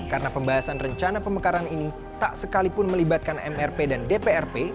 karena pembahasan rencana pemekaran ini tak sekalipun melibatkan mrp dan dprp